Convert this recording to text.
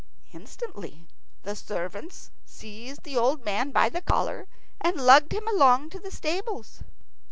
Instantly the servants seized the old man by the collar and lugged him along to the stables.